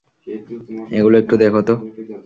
এগুলা একটু দেখো তো।